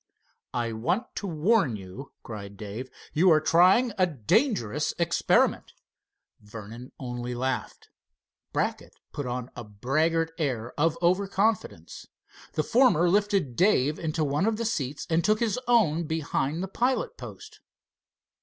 "I want to warn you," cried Dave. "You are trying a dangerous experiment." Vernon only laughed. Brackett put on a braggart air of over confidence. The former lifted Dave into one of the seats and took his own behind the pilot post.